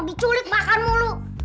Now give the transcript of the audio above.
diculik makan mulu